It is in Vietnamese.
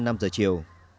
sau năm giờ chiều